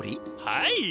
はい！